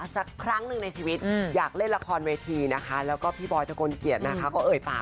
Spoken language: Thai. สักครั้งหนึ่งในชีวิตอยากเล่นละครเวทีนะคะแล้วก็พี่บอยตะกลเกียจนะคะก็เอ่ยปาก